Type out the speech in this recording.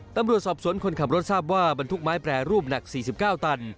ตำรวจสอบสวนคนขับรถทราบว่าบรรทุกไม้แปรรูปหนัก๔๙ตัน